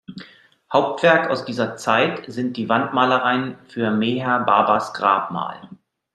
Hauptwerk aus dieser Zeit sind die Wandmalereien für Meher Babas Grabmal.